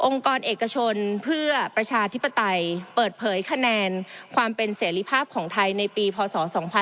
กรเอกชนเพื่อประชาธิปไตยเปิดเผยคะแนนความเป็นเสรีภาพของไทยในปีพศ๒๕๖๒